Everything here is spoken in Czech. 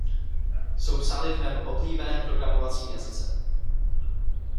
Jsou psány v mém oblíbeném programovacím jazyce.